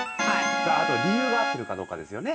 あと理由が合ってるかどうかですよね。